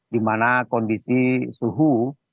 di mana kondisi suhu